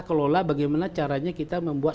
kelola bagaimana caranya kita membuat